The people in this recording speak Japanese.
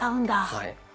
はい。